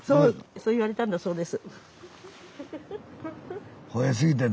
そう言われたんだそうです。